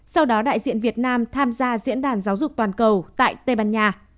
sau đó đại diện việt nam tham gia diễn đàn giáo dục toàn cầu tại tây ban nha